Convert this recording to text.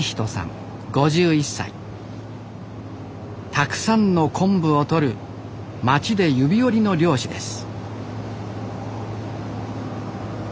たくさんの昆布をとる町で指折りの漁師です